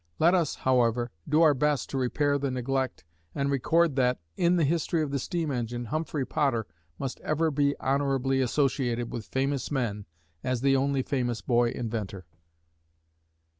Let us, however, do our best to repair the neglect and record that, in the history of the steam engine, Humphrey Potter must ever be honorably associated with famous men as the only famous boy inventor.